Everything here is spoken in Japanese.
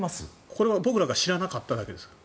これは僕らが知らなかっただけですか？